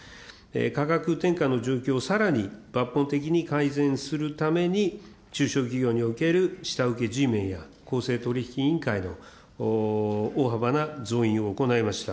価格転嫁の状況をさらに抜本的に改善するために、中小企業における下請けＧメンや、公正取引委員会の大幅な増員を行いました。